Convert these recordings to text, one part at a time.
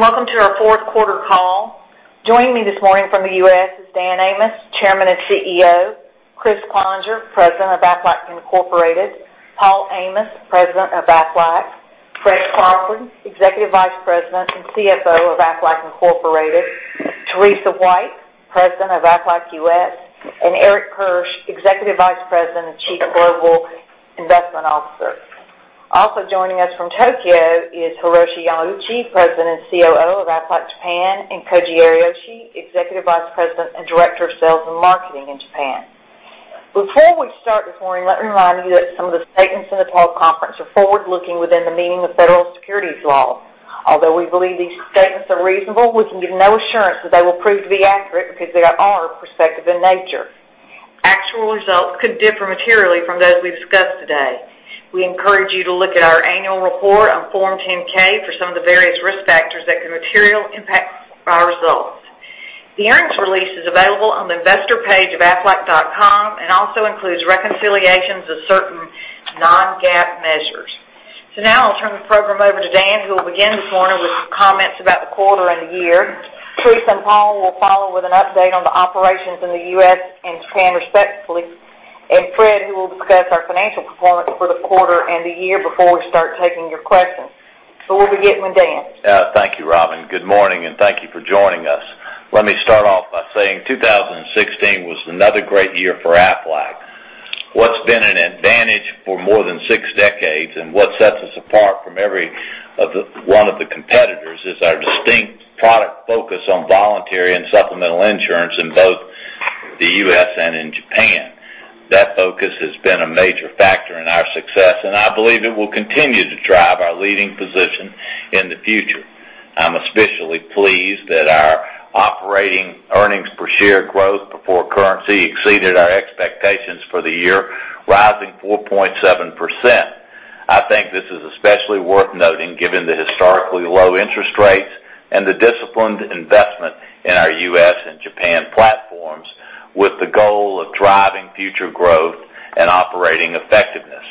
Welcome to our fourth quarter call. Joining me this morning from the U.S. is Dan Amos, Chairman and CEO, Kriss Cloninger, President of Aflac Incorporated, Paul Amos, President of Aflac, Frederick Crawford, Executive Vice President and CFO of Aflac Incorporated, Teresa White, President of Aflac U.S., and Eric Kirsch, Executive Vice President and Chief Global Investment Officer. Also joining us from Tokyo is Hiroshi Yamauchi, President and COO of Aflac Japan, and Koji Ariyoshi, Executive Vice President and Director of Sales and Marketing in Japan. Before we start this morning, let me remind you that some of the statements in the call conference are forward-looking within the meaning of federal securities laws. Although we believe these statements are reasonable, we can give no assurance that they will prove to be accurate because they are prospective in nature. Actual results could differ materially from those we discuss today. We encourage you to look at our annual report on Form 10-K for some of the various risk factors that could materially impact our results. The earnings release is available on the investor page of aflac.com and also includes reconciliations of certain non-GAAP measures. Now I'll turn the program over to Dan, who will begin this morning with comments about the quarter and the year. Teresa and Paul will follow with an update on the operations in the U.S. and Japan respectively. Fred, who will discuss our financial performance for the quarter and the year before we start taking your questions. We'll begin with Dan. Thank you, Robin. Good morning, and thank you for joining us. Let me start off by saying 2016 was another great year for Aflac. What's been an advantage for more than six decades and what sets us apart from every one of the competitors is our distinct product focus on voluntary and supplemental insurance in both the U.S. and in Japan. That focus has been a major factor in our success, and I believe it will continue to drive our leading position in the future. I'm especially pleased that our operating earnings per share growth before currency exceeded our expectations for the year, rising 4.7%. I think this is especially worth noting given the historically low interest rates and the disciplined investment in our U.S. and Japan platforms with the goal of driving future growth and operating effectiveness.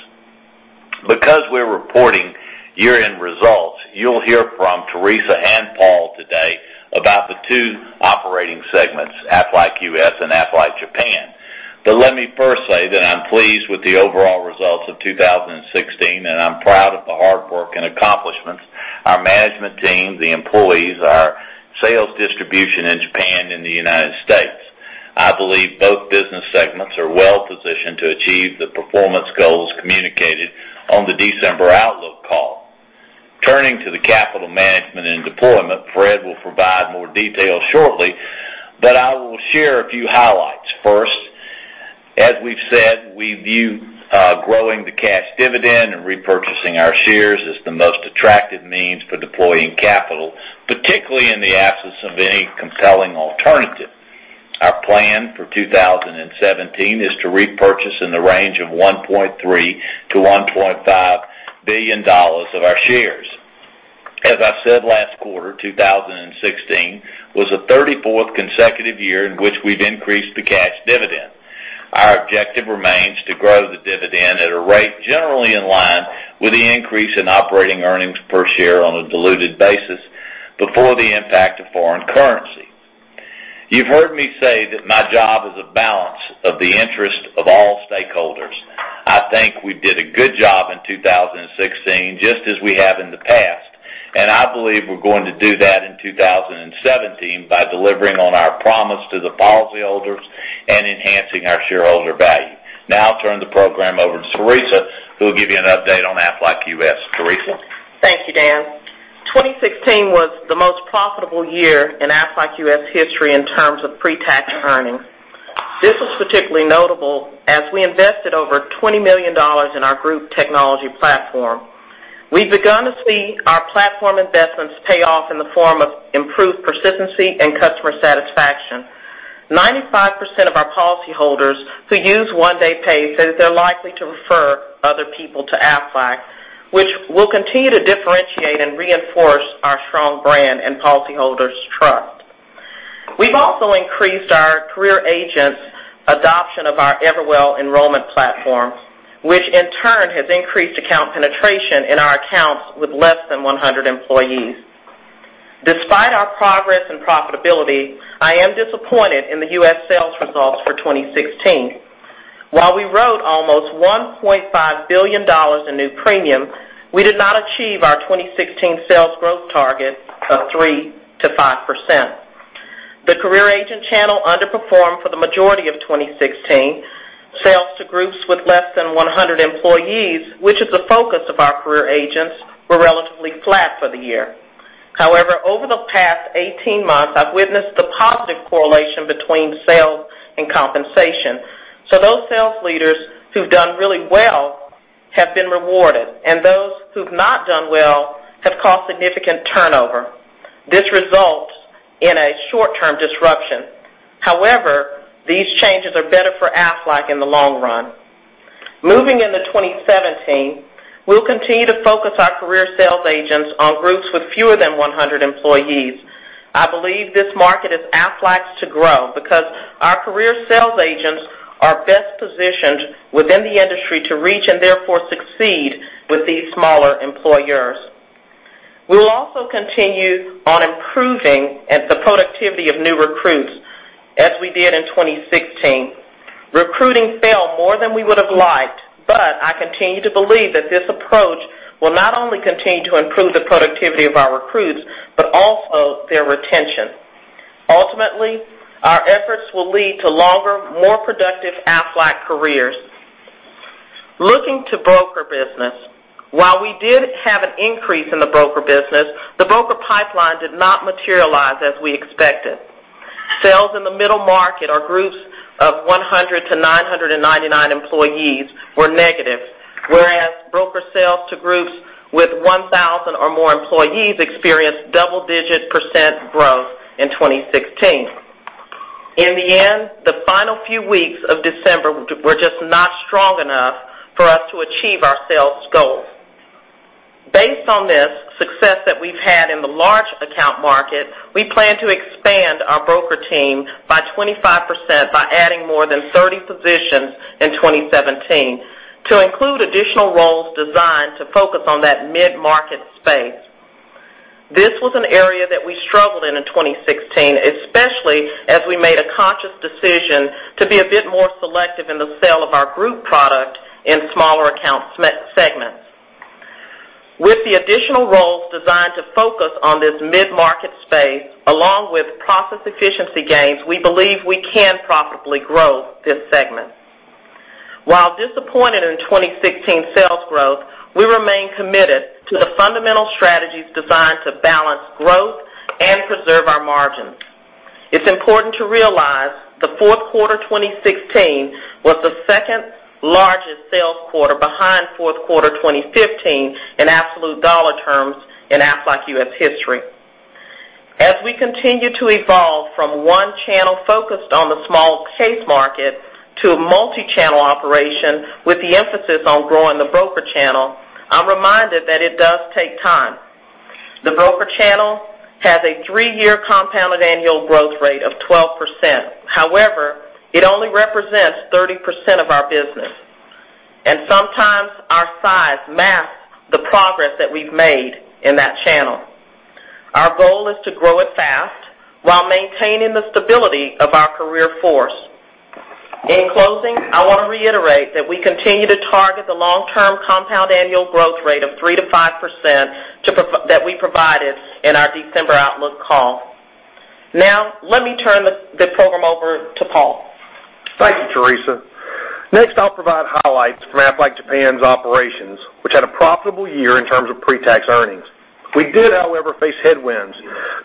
Because we're reporting year-end results, you'll hear from Teresa and Paul today about the two operating segments, Aflac U.S. and Aflac Japan. Let me first say that I'm pleased with the overall results of 2016, and I'm proud of the hard work and accomplishments our management team, the employees, our sales distribution in Japan and the United States. I believe both business segments are well-positioned to achieve the performance goals communicated on the December outlook call. Turning to the capital management and deployment, Fred will provide more details shortly, but I will share a few highlights. First, as we've said, we view growing the cash dividend and repurchasing our shares as the most attractive means for deploying capital, particularly in the absence of any compelling alternative. Our plan for 2017 is to repurchase in the range of $1.3 billion-$1.5 billion of our shares. As I said last quarter, 2016 was the 34th consecutive year in which we've increased the cash dividend. Our objective remains to grow the dividend at a rate generally in line with the increase in operating earnings per share on a diluted basis before the impact of foreign currency. You've heard me say that my job is a balance of the interest of all stakeholders. I think we did a good job in 2016, just as we have in the past, and I believe we're going to do that in 2017 by delivering on our promise to the policyholders and enhancing our shareholder value. Now I'll turn the program over to Teresa, who will give you an update on Aflac U.S. Teresa. Thank you, Dan. 2016 was the most profitable year in Aflac U.S. history in terms of pre-tax earnings. This was particularly notable as we invested over $20 million in our group technology platform. We've begun to see our platform investments pay off in the form of improved persistency and customer satisfaction. 95% of our policyholders who use One Day Pay said that they're likely to refer other people to Aflac, which will continue to differentiate and reinforce our strong brand and policyholders' trust. We've also increased our career agents' adoption of our Everwell enrollment platform, which in turn has increased account penetration in our accounts with less than 100 employees. Despite our progress and profitability, I am disappointed in the U.S. sales results for 2016. While we wrote almost $1.5 billion in new premium, we did not achieve our 2016 sales growth target of 3%-5%. The career agent channel underperformed for the majority of 2016. Sales to groups with less than 100 employees, which is the focus of our career agents, were relatively flat for the year. However, over the past 18 months, I've witnessed the positive correlation between sales and compensation. Those sales leaders who've done really well have been rewarded, and those who've not done well have caused significant turnover. This results in a short-term disruption. However, these changes are better for Aflac in the long run. Moving into 2017, we'll continue to focus our career sales agents on groups with fewer than 100 employees. I believe this market is Aflac's to grow because our career sales agents are best positioned within the industry to reach and therefore succeed with these smaller employers. We'll also continue on improving the productivity of new recruits as we did in 2016. Recruiting fell more than we would've liked, I continue to believe that this approach will not only continue to improve the productivity of our recruits, but also their retention. Ultimately, our efforts will lead to longer, more productive Aflac careers. Looking to broker business, while we did have an increase in the broker business, the broker pipeline did not materialize as we expected. Sales in the middle market or groups of 100 to 999 employees were negative, whereas broker sales to groups with 1,000 or more employees experienced double-digit % growth in 2016. In the end, the final few weeks of December were just not strong enough for us to achieve our sales goals. Based on this success that we've had in the large account market, we plan to expand our broker team by 25%, by adding more than 30 positions in 2017 to include additional roles designed to focus on that mid-market space. This was an area that we struggled in in 2016, especially as we made a conscious decision to be a bit more selective in the sale of our group product in smaller account segments. With the additional roles designed to focus on this mid-market space, along with process efficiency gains, we believe we can profitably grow this segment. While disappointed in 2016 sales growth, we remain committed to the fundamental strategies designed to balance growth and preserve our margins. It's important to realize the fourth quarter 2016 was the second-largest sales quarter behind fourth quarter 2015 in absolute dollar terms in Aflac U.S. history. We continue to evolve from one channel focused on the small case market to a multi-channel operation with the emphasis on growing the broker channel, I'm reminded that it does take time. The broker channel has a three-year compounded annual growth rate of 12%. It only represents 30% of our business, and sometimes our size masks the progress that we've made in that channel. Our goal is to grow it fast while maintaining the stability of our career force. In closing, I want to reiterate that we continue to target the long-term compound annual growth rate of 3% to 5% that we provided in our December outlook call. Let me turn the program over to Paul. Thank you, Teresa. I'll provide highlights from Aflac Japan's operations, which had a profitable year in terms of pre-tax earnings. We did, however, face headwinds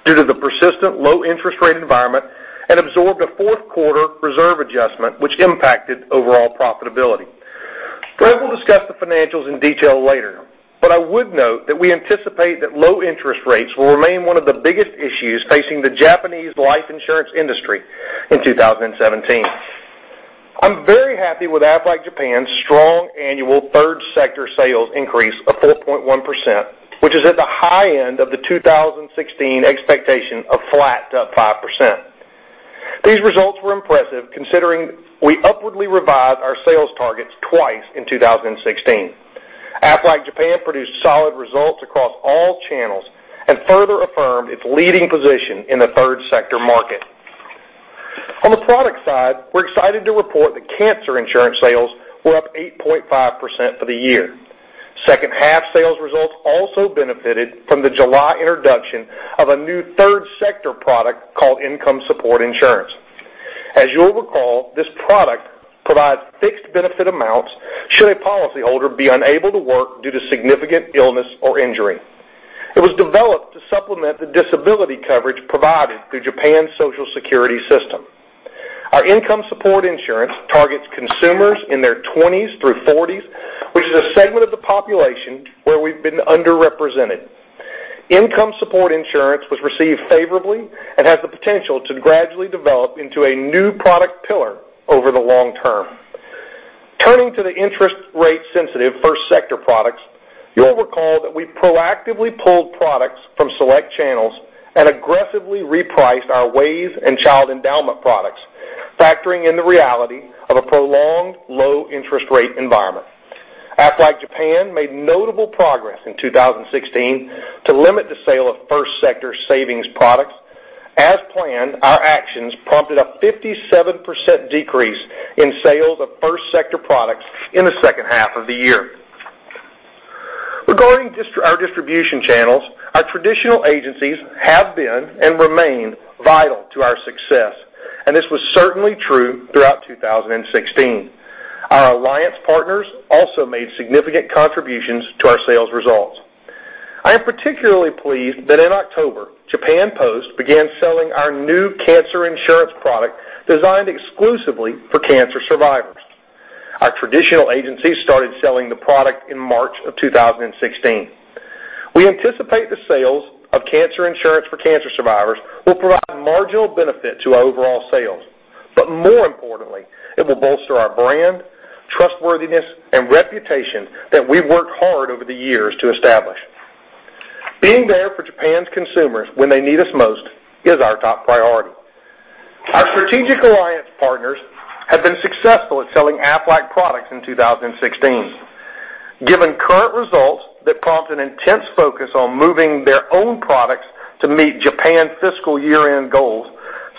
due to the persistent low interest rate environment and absorbed a fourth quarter reserve adjustment, which impacted overall profitability. Fred will discuss the financials in detail later, I would note that we anticipate that low interest rates will remain one of the biggest issues facing the Japanese life insurance industry in 2017. I'm very happy with Aflac Japan's strong annual third sector sales increase of 4.1%, which is at the high end of the 2016 expectation of flat to up 5%. These results were impressive considering we upwardly revised our sales targets twice in 2016. Aflac Japan produced solid results across all channels and further affirmed its leading position in the third sector market. On the product side, we're excited to report that cancer insurance sales were up 8.5% for the year. Second half sales results also benefited from the July introduction of a new third sector product called Income Support Insurance. You'll recall, this product provides fixed benefit amounts should a policyholder be unable to work due to significant illness or injury. It was developed to supplement the disability coverage provided through Japan's Social Security system. Our Income Support Insurance targets consumers in their 20s through 40s, which is a segment of the population where we've been underrepresented. Income Support Insurance was received favorably and has the potential to gradually develop into a new product pillar over the long term. Turning to the interest rate sensitive first sector products, you'll recall that we proactively pulled products from select channels and aggressively repriced our WAYS and child endowment products, factoring in the reality of a prolonged low interest rate environment. Aflac Japan made notable progress in 2016 to limit the sale of first sector savings products. As planned, our actions prompted a 57% decrease in sales of first sector products in the second half of the year. Regarding our distribution channels, our traditional agencies have been and remain vital to our success, and this was certainly true throughout 2016. Our alliance partners also made significant contributions to our sales results. I am particularly pleased that in October, Japan Post began selling our new cancer insurance product designed exclusively for cancer survivors. Our traditional agencies started selling the product in March of 2016. We anticipate the sales of cancer insurance for cancer survivors will provide marginal benefit to our overall sales, but more importantly, it will bolster our brand, trustworthiness, and reputation that we've worked hard over the years to establish. Being there for Japan's consumers when they need us most is our top priority. Our strategic alliance partners have been successful at selling Aflac products in 2016. Given current results that prompt an intense focus on moving their own products to meet Japan fiscal year-end goals,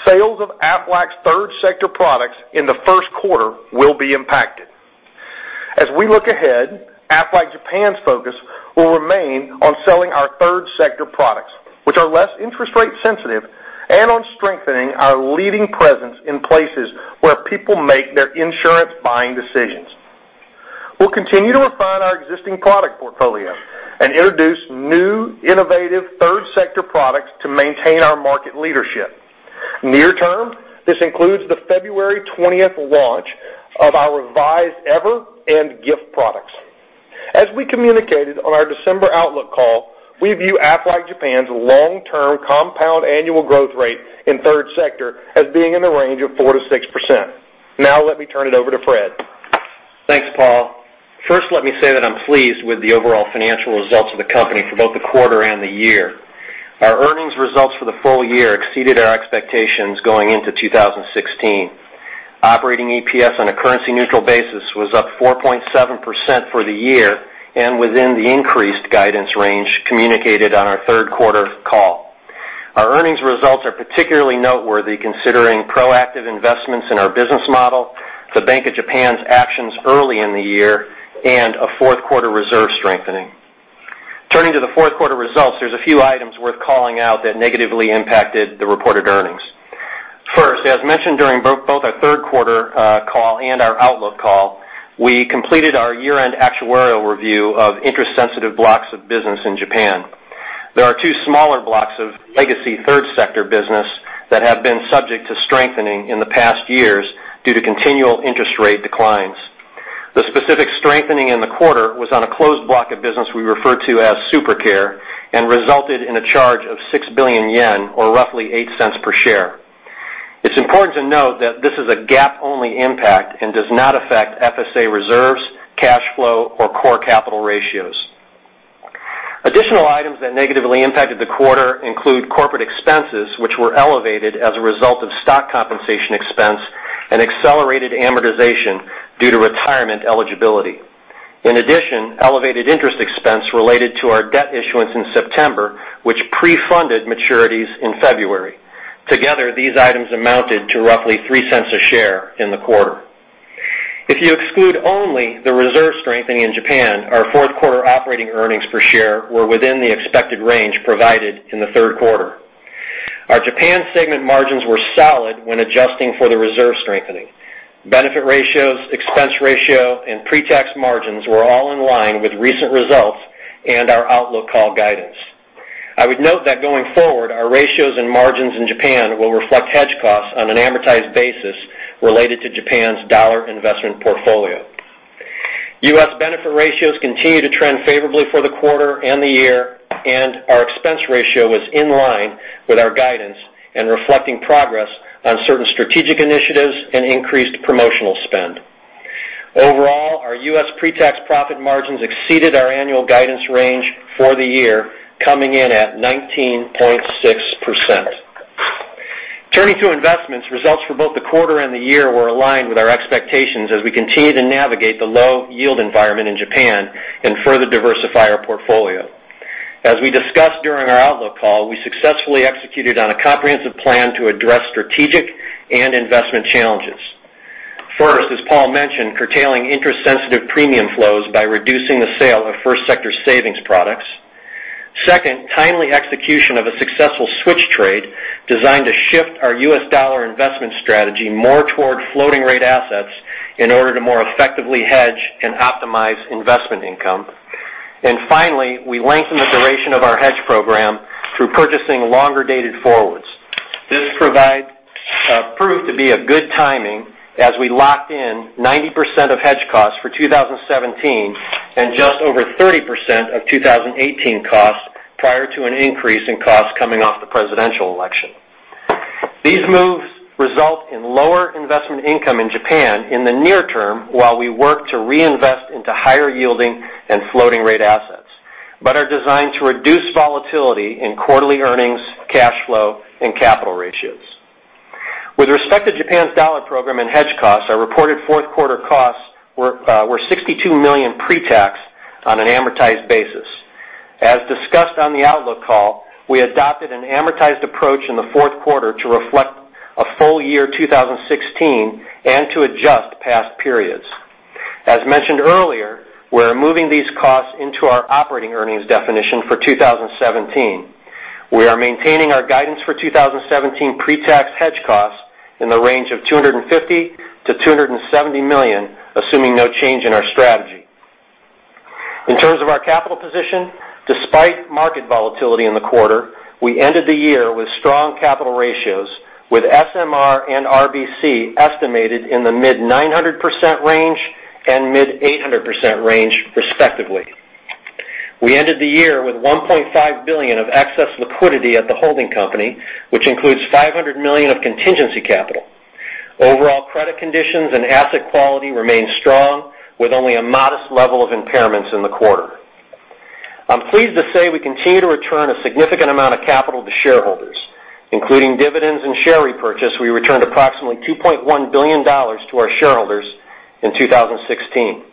sales of Aflac's third sector products in the first quarter will be impacted. As we look ahead, Aflac Japan's focus will remain on selling our third sector products, which are less interest rate sensitive, and on strengthening our leading presence in places where people make their insurance buying decisions. We'll continue to refine our existing product portfolio and introduce new innovative third sector products to maintain our market leadership. Near term, this includes the February 20th launch of our revised EVER and GIFT products. As we communicated on our December outlook call, we view Aflac Japan's long-term compound annual growth rate in third sector as being in the range of 4%-6%. Let me turn it over to Fred. Thanks, Paul. Let me say that I'm pleased with the overall financial results of the company for both the quarter and the year. Our earnings results for the full year exceeded our expectations going into 2016. Operating EPS on a currency neutral basis was up 4.7% for the year and within the increased guidance range communicated on our third quarter call. Our earnings results are particularly noteworthy considering proactive investments in our business model, the Bank of Japan's actions early in the year, and a fourth quarter reserve strengthening. Turning to the fourth quarter results, there's a few items worth calling out that negatively impacted the reported earnings. As mentioned during both our third quarter call and our outlook call, we completed our year-end actuarial review of interest sensitive blocks of business in Japan. There are two smaller blocks of legacy third sector business that have been subject to strengthening in the past years due to continual interest rate declines. The specific strengthening in the quarter was on a closed block of business we refer to as Super Care and resulted in a charge of 6 billion yen or roughly $0.08 per share. It's important to note that this is a GAAP only impact and does not affect FSA reserves, cash flow, or core capital ratios. Additional items that negatively impacted the quarter include corporate expenses, which were elevated as a result of stock compensation expense and accelerated amortization due to retirement eligibility. Elevated interest expense related to our debt issuance in September, which pre-funded maturities in February. Together, these items amounted to roughly $0.03 a share in the quarter. If you exclude only the reserve strengthening in Japan, our fourth quarter operating earnings per share were within the expected range provided in the third quarter. Our Japan segment margins were solid when adjusting for the reserve strengthening. Benefit ratios, expense ratio, and pre-tax margins were all in line with recent results and our outlook call guidance. I would note that going forward, our ratios and margins in Japan will reflect hedge costs on an amortized basis related to Japan's dollar investment portfolio. U.S. benefit ratios continue to trend favorably for the quarter and the year, and our expense ratio was in line with our guidance and reflecting progress on certain strategic initiatives and increased promotional spend. Overall, our U.S. pre-tax profit margins exceeded our annual guidance range for the year, coming in at 19.6%. Turning to investments, results for both the quarter and the year were aligned with our expectations as we continue to navigate the low yield environment in Japan and further diversify our portfolio. As we discussed during our outlook call, we successfully executed on a comprehensive plan to address strategic and investment challenges. First, as Paul mentioned, curtailing interest sensitive premium flows by reducing the sale of first sector savings products. Second, timely execution of a successful switch trade designed to shift our U.S. dollar investment strategy more toward floating rate assets in order to more effectively hedge and optimize investment income. Finally, we lengthened the duration of our hedge program through purchasing longer dated forwards. This proved to be a good timing as we locked in 90% of hedge costs for 2017 and just over 30% of 2018 costs prior to an increase in costs coming off the presidential election. These moves result in lower investment income in Japan in the near term while we work to reinvest into higher yielding and floating rate assets, but are designed to reduce volatility in quarterly earnings, cash flow, and capital ratios. With respect to Japan's dollar program and hedge costs, our reported fourth quarter costs were $62 million pre-tax on an amortized basis. As discussed on the outlook call, we adopted an amortized approach in the fourth quarter to reflect a full year 2016 and to adjust past periods. As mentioned earlier, we're moving these costs into our operating earnings definition for 2017. We are maintaining our guidance for 2017 pre-tax hedge costs in the range of $250 million-$270 million, assuming no change in our strategy. In terms of our capital position, despite market volatility in the quarter, we ended the year with strong capital ratios with SMR and RBC estimated in the mid-900% range and mid-800% range respectively. We ended the year with $1.5 billion of excess liquidity at the holding company, which includes $500 million of contingency capital. Overall credit conditions and asset quality remain strong with only a modest level of impairments in the quarter. I'm pleased to say we continue to return a significant amount of capital to shareholders, including dividends and share repurchase, we returned approximately $2.1 billion to our shareholders in 2016.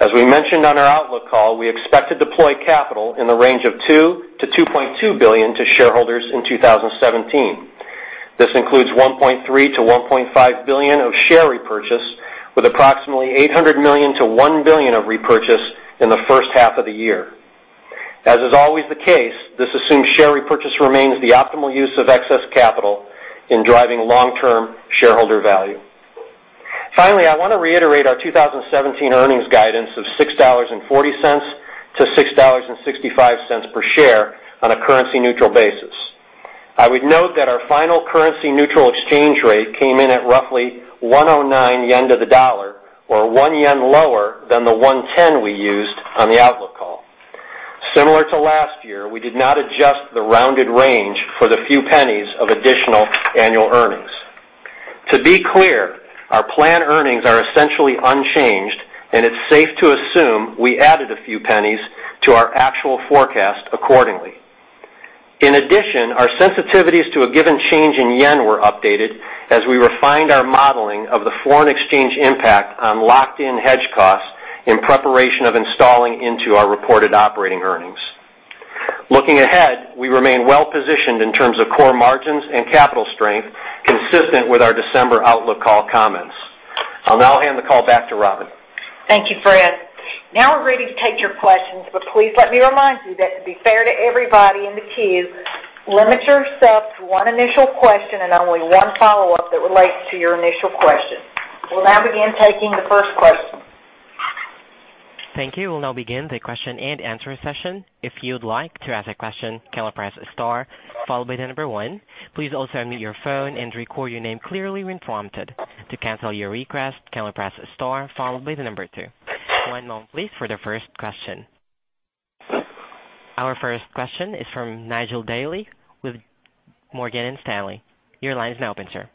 As we mentioned on our outlook call, we expect to deploy capital in the range of $2 billion-$2.2 billion to shareholders in 2017. This includes $1.3 billion-$1.5 billion of share repurchase with approximately $800 million-$1 billion of repurchase in the first half of the year. As is always the case, this assumes share repurchase remains the optimal use of excess capital in driving long-term shareholder value. Finally, I want to reiterate our 2017 earnings guidance of $6.40-$6.65 per share on a currency neutral basis. I would note that our final currency neutral exchange rate came in at roughly 109 yen to the dollar, or one JPY lower than the 110 we used on the outlook call. Similar to last year, we did not adjust the rounded range for the few pennies of additional annual earnings. To be clear, our planned earnings are essentially unchanged, and it's safe to assume we added a few pennies to our actual forecast accordingly. In addition, our sensitivities to a given change in JPY were updated as we refined our modeling of the foreign exchange impact on locked-in hedge costs in preparation of installing into our reported operating earnings. Looking ahead, we remain well-positioned in terms of core margins and capital strength, consistent with our December outlook call comments. I'll now hand the call back to Robin. Thank you, Fred. Now we're ready to take your questions, please let me remind you that to be fair to everybody in the queue, limit yourself to one initial question and only one follow-up that relates to your initial question. We'll now begin taking the first question. Thank you. We'll now begin the question and answer session. If you'd like to ask a question, can you press star, followed by the number one. Please also unmute your phone and record your name clearly when prompted. To cancel your request, can you press star followed by the number two. One moment please for the first question. Our first question is from Nigel Daly with Morgan Stanley. Your line is now open, sir.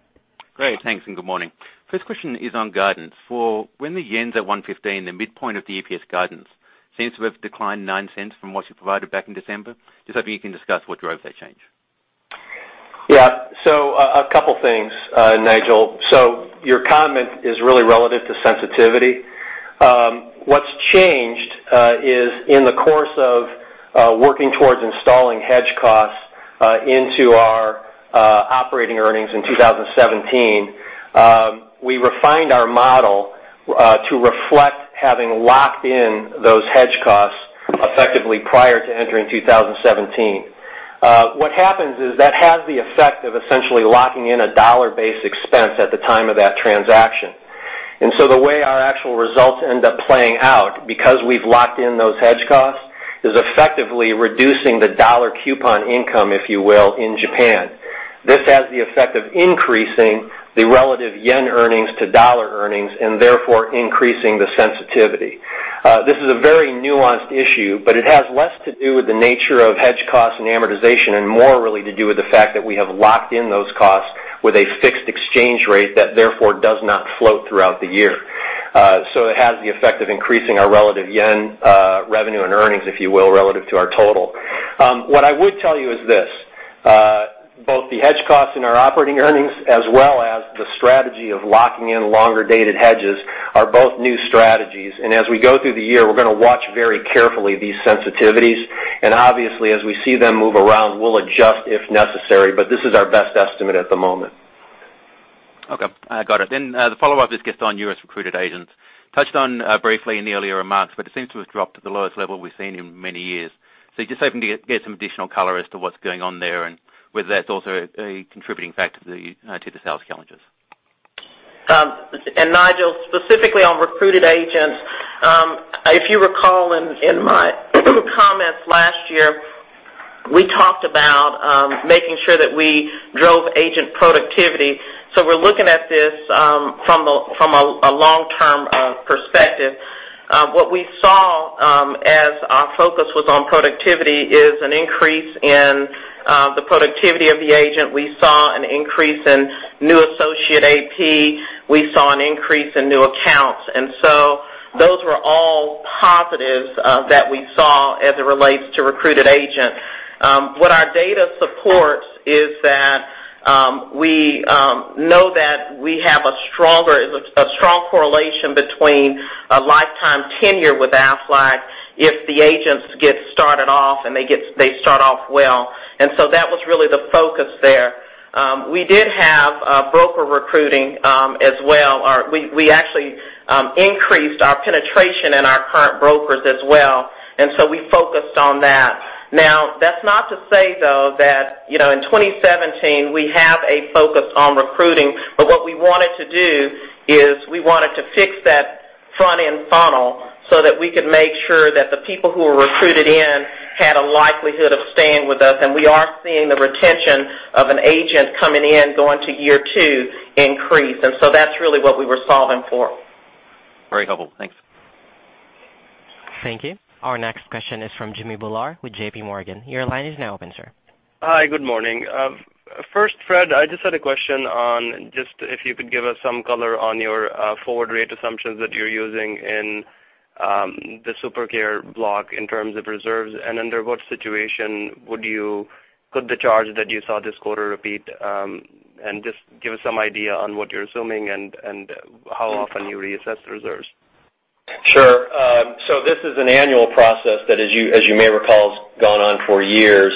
Great. Thanks. Good morning. First question is on guidance for when the JPY's at 115, the midpoint of the EPS guidance seems to have declined $0.09 from what you provided back in December. Hoping you can discuss what drove that change. A couple things, Nigel. Your comment is really relative to sensitivity. What's changed is in the course of working towards installing hedge costs into our operating earnings in 2017, we refined our model to reflect having locked in those hedge costs effectively prior to entering 2017. What happens is that has the effect of essentially locking in a dollar-based expense at the time of that transaction. The way our actual results end up playing out, because we've locked in those hedge costs, is effectively reducing the dollar coupon income, if you will, in Japan. This has the effect of increasing the relative JPY earnings to dollar earnings, therefore, increasing the sensitivity. This is a very nuanced issue, but it has less to do with the nature of hedge costs and amortization, and more really to do with the fact that we have locked in those costs with a fixed exchange rate that therefore does not float throughout the year. It has the effect of increasing our relative JPY revenue and earnings, if you will, relative to our total. What I would tell you is this, both the hedge costs in our operating earnings as well as the strategy of locking in longer-dated hedges are both new strategies. As we go through the year, we're going to watch very carefully these sensitivities. Obviously, as we see them move around, we'll adjust if necessary, but this is our best estimate at the moment. Okay, got it. The follow-up just gets on U.S. recruited agents. Touched on briefly in the earlier remarks, but it seems to have dropped to the lowest level we've seen in many years. Just hoping to get some additional color as to what's going on there and whether that's also a contributing factor to the sales challenges. Nigel, specifically on recruited agents, if you recall in my comments last year, we talked about making sure that we drove agent productivity. We're looking at this from a long-term perspective. What we saw as our focus was on productivity is an increase in the productivity of the agent. We saw an increase in new associate AP. We saw an increase in new accounts. Those were all positives that we saw as it relates to recruited agents. What our data supports is that we know that we have a strong correlation between a lifetime tenure with Aflac if the agents get started off, and they start off well. That was really the focus there. We did have broker recruiting as well. We actually increased our penetration in our current brokers as well, and so we focused on that. Now, that's not to say, though, that in 2017 we have a focus on recruiting, but what we wanted to do is we wanted to fix that front-end funnel so that we could make sure that the people who were recruited in had a likelihood of staying with us, and we are seeing the retention of an agent coming in going to year 2 increase. That's really what we were solving for. Very helpful. Thanks. Thank you. Our next question is from Jimmy Bhullar with J.P. Morgan. Your line is now open, sir. Hi, good morning. First, Fred, I just had a question on just if you could give us some color on your forward rate assumptions that you're using in the Super Care block in terms of reserves, and under what situation could the charge that you saw this quarter repeat, and just give us some idea on what you're assuming and how often you reassess the reserves. Sure. This is an annual process that as you may recall, has gone on for years.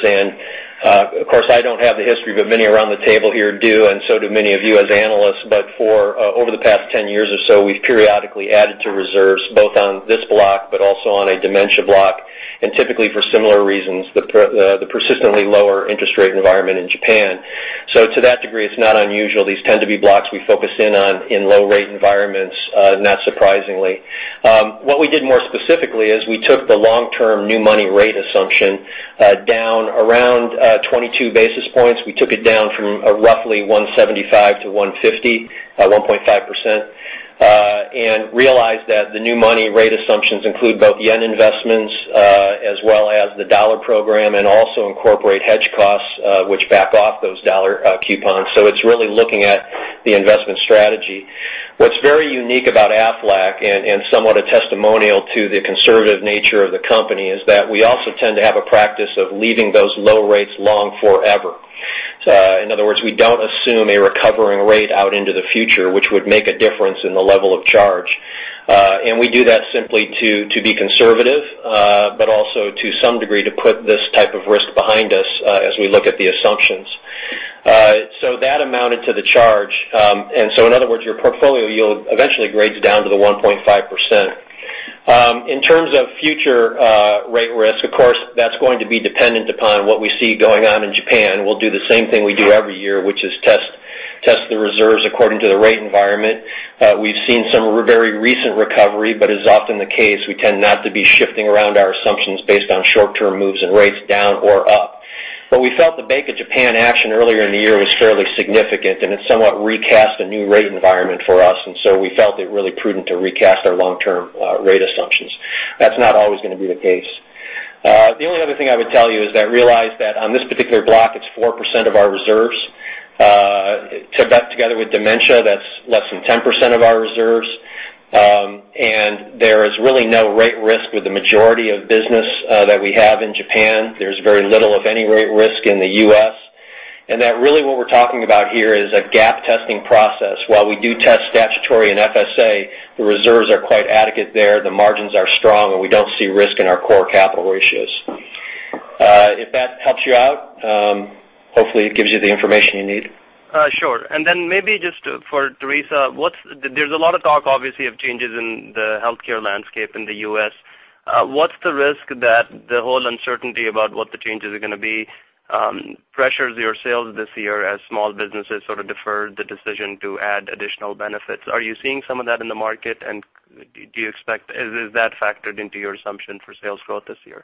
Of course, I don't have the history, but many around the table here do, and so do many of you as analysts. For over the past 10 years or so, we've periodically added to reserves, both on this block but also on a dementia block, and typically for similar reasons, the persistently lower interest rate environment in Japan. To that degree, it's not unusual. These tend to be blocks we focus in on in low rate environments, not surprisingly. What we did more specifically is we took the long-term new money rate assumption down around 22 basis points. We took it down from roughly 175 to 150, 1.5%, and realized that the new money rate assumptions include both JPY investments as well as the USD program, and also incorporate hedge costs, which back off those USD coupons. It's really looking at the investment strategy. What's very unique about Aflac, and somewhat a testimonial to the conservative nature of the company, is that we also tend to have a practice of leaving those low rates long forever. In other words, we don't assume a recovering rate out into the future, which would make a difference in the level of charge. We do that simply to be conservative, but also to some degree, to put this type of risk behind us as we look at the assumptions. That amounted to the charge. In other words, your portfolio yield eventually grades down to the 1.5%. In terms of future rate risk, of course, that's going to be dependent upon what we see going on in Japan. We'll do the same thing we do every year, which is test the reserves according to the rate environment. We've seen some very recent recovery, as often the case, we tend not to be shifting around our assumptions based on short-term moves in rates down or up. We felt the Bank of Japan action earlier in the year was fairly significant, and it somewhat recast a new rate environment for us. We felt it really prudent to recast our long-term rate assumptions. That's not always going to be the case. The only other thing I would tell you is that realize that on this particular block, it's 4% of our reserves. Took that together with dementia, that's less than 10% of our reserves. There is really no rate risk with the majority of business that we have in Japan. There's very little, if any, rate risk in the U.S., and that really what we're talking about here is a GAAP testing process. While we do test statutory and FSA, the reserves are quite adequate there, the margins are strong, and we don't see risk in our core capital ratios. If that helps you out, hopefully it gives you the information you need. Sure. Maybe just for Teresa, there's a lot of talk, obviously, of changes in the healthcare landscape in the U.S. What's the risk that the whole uncertainty about what the changes are going to be pressures your sales this year as small businesses sort of defer the decision to add additional benefits? Are you seeing some of that in the market, and is that factored into your assumption for sales growth this year?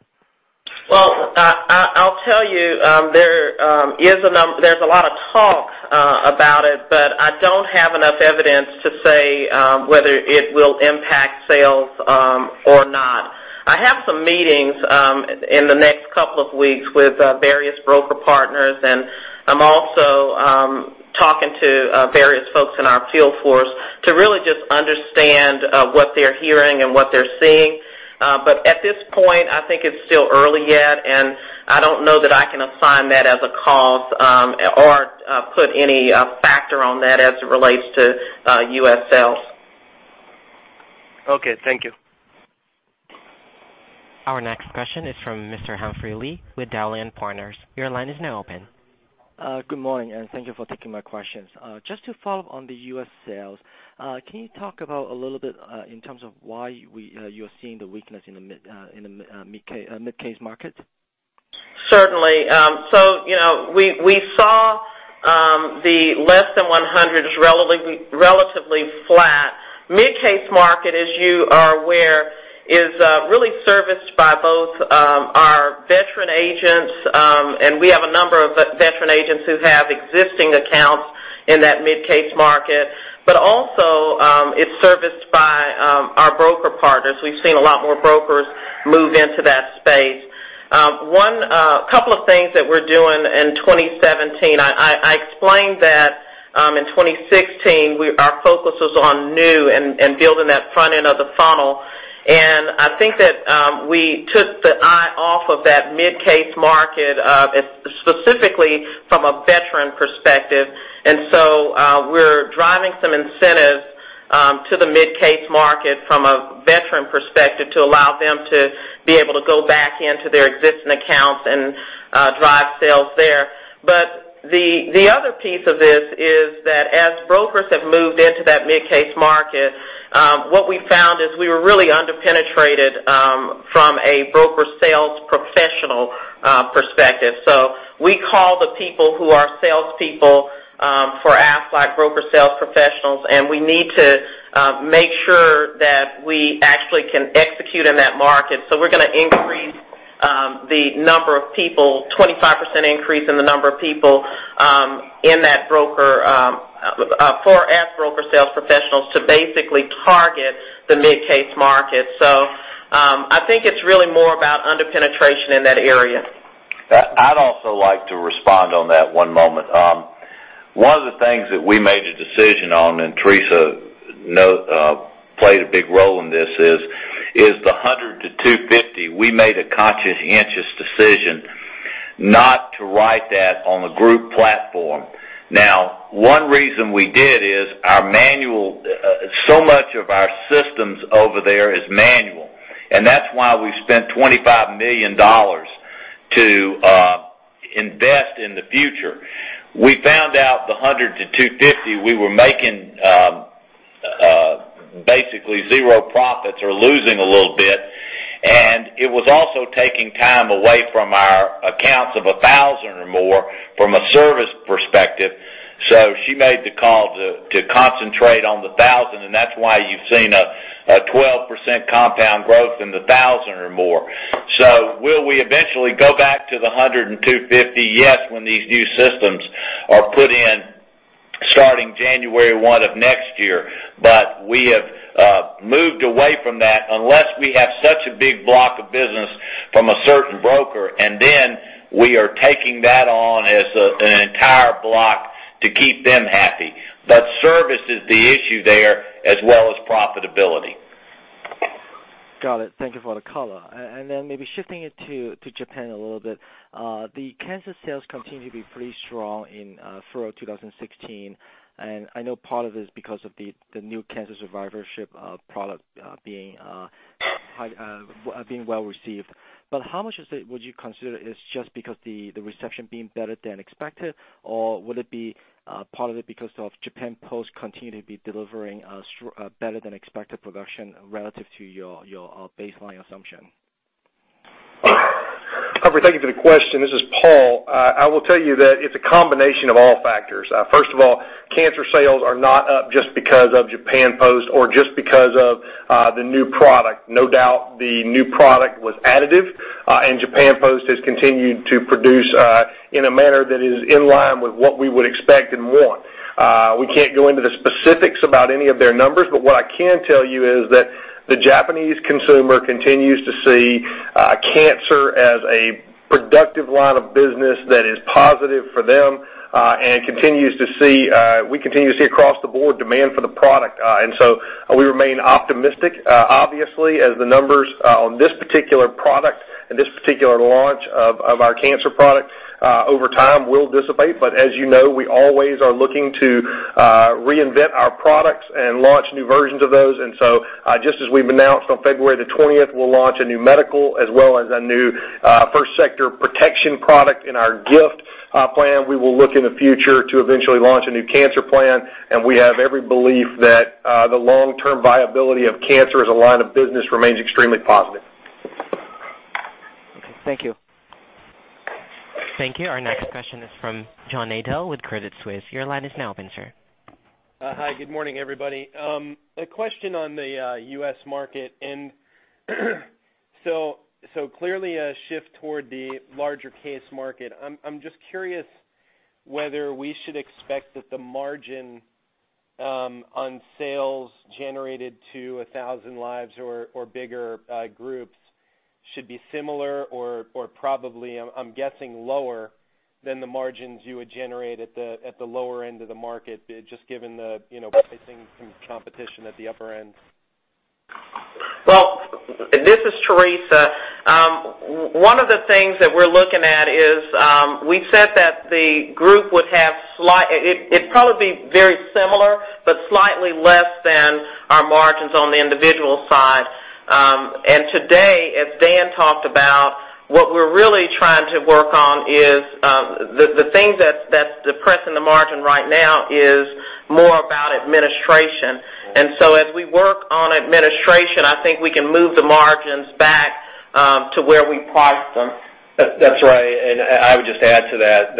I'll tell you, there's a lot of talk about it, I don't have enough evidence to say whether it will impact sales or not. I have some meetings in the next couple of weeks with various broker partners. I'm also talking to various folks in our field force to really just understand what they're hearing and what they're seeing. At this point, I think it's still early yet, I don't know that I can assign that as a cause, or put any factor on that as it relates to U.S. sales. Okay, thank you. Our next question is from Mr. Humphrey Lee with Dowling & Partners. Your line is now open. Good morning, thank you for taking my questions. Just to follow up on the U.S. sales, can you talk about a little bit in terms of why you're seeing the weakness in the mid-case market? Certainly. We saw the less than 100 is relatively flat. Mid-case market, as you are aware, is really serviced by both our veteran agents, We have a number of veteran agents who have existing accounts in that mid-case market. Also, it's serviced by our broker partners. We've seen a lot more brokers move into that space. Couple of things that we're doing in 2017, I explained that in 2016, our focus was on new and building that front end of the funnel. I think that we took the eye off of that mid-case market, specifically from a veteran perspective. We're driving some incentives to the mid-case market from a veteran perspective to allow them to be able to go back into their existing accounts and drive sales there. The other piece of this is that as brokers have moved into that mid-case market, what we found is we were really under-penetrated from a broker sales professional perspective. We call the people who are salespeople for Aflac broker sales professionals, and we need to make sure that we actually can execute in that market. We're going to increase the number of people, 25% increase in the number of people in that broker for our broker sales professionals to basically target the mid-case market. I think it's really more about under-penetration in that area. I'd also like to respond on that, one moment. One of the things that we made a decision on, and Teresa played a big role in this, is the 100 to 250, we made a conscientious decision not to write that on the group platform. One reason we did is so much of our systems over there is manual, and that's why we've spent $25 million to invest in the future. We found out the 100 to 250, we were making basically zero profits or losing a little bit, and it was also taking time away from our accounts of 1,000 or more from a service perspective. She made the call to concentrate on the 1,000, and that's why you've seen a 12% compound growth in the 1,000 or more. Will we eventually go back to the 100 and 250? Yes, when these new systems are put in starting January 1 of next year. We have moved away from that unless we have such a big block of business from a certain broker, and then we are taking that on as an entire block to keep them happy. Service is the issue there as well as profitability. Got it. Thank you for the color. Maybe shifting it to Japan a little bit. The cancer sales continue to be pretty strong in FY 2016, and I know part of it is because of the new cancer survivorship product being well received. How much would you consider is just because the reception being better than expected, or would it be partly because of Japan Post continue to be delivering better than expected production relative to your baseline assumption? Albert, thank you for the question. This is Paul. I will tell you that it's a combination of all factors. First of all, cancer sales are not up just because of Japan Post or just because of the new product. No doubt the new product was additive, and Japan Post has continued to produce in a manner that is in line with what we would expect and want. We can't go into the specifics about any of their numbers, but what I can tell you is that the Japanese consumer continues to see cancer as a productive line of business that is positive for them, and we continue to see across the board demand for the product. We remain optimistic, obviously, as the numbers on this particular product and this particular launch of our cancer product over time will dissipate. As you know, we always are looking to reinvent our products and launch new versions of those. Just as we've announced on February the 20th, we'll launch a new medical as well as a new first sector protection product in our GIFT Plan. We will look in the future to eventually launch a new cancer plan, and we have every belief that the long-term viability of cancer as a line of business remains extremely positive. Okay. Thank you. Thank you. Our next question is from John Nadel with Credit Suisse. Your line is now open, sir. Hi. Good morning, everybody. A question on the U.S. market. Clearly a shift toward the larger case market. I'm just curious whether we should expect that the margin on sales generated to 1,000 lives or bigger groups should be similar or probably, I'm guessing lower than the margins you would generate at the lower end of the market, just given the pricing competition at the upper end. Well, this is Teresa. One of the things that we're looking at is we said that the group would have it'd probably be very similar, but slightly less than our margins on the individual side. Today, as Dan talked about, what we're really trying to work on is the thing that's depressing the margin right now is more about administration. As we work on administration, I think we can move the margins back to where we priced them. That's right. I would just add to that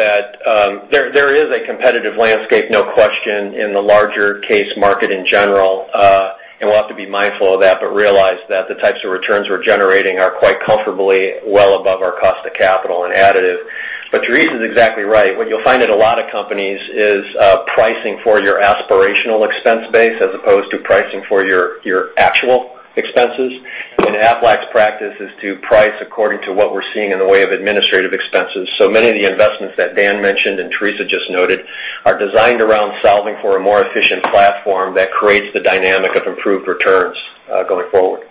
there is a competitive landscape, no question, in the larger case market in general, and we'll have to be mindful of that, but realize that the types of returns we're generating are quite comfortably well above our cost of capital and additive. Teresa is exactly right. What you'll find at a lot of companies is pricing for your aspirational expense base as opposed to pricing for your actual expenses. Aflac's practice is to price according to what we're seeing in the way of administrative expenses. Many of the investments that Dan mentioned and Teresa just noted are designed around solving for a more efficient platform that creates the dynamic of improved returns going forward.